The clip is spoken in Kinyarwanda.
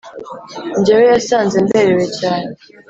Njyewe yasanze mberewe cyane